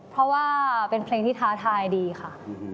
เพราะว่าเป็นเพลงที่ท้าทายดีค่ะ